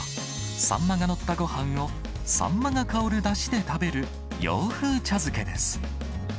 サンマが載ったごはんをサンマが香るだしで食べる洋風茶漬けです。